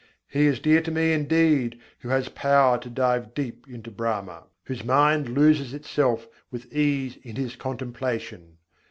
He is dear to me indeed who has power to dive deep into Brahma; whose mind loses itself with ease in His contemplation.